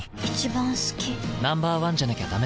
Ｎｏ．１じゃなきゃダメだ。